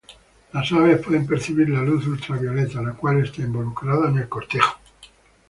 Las aves pueden percibir la luz ultravioleta, la cual está involucrada en el cortejo.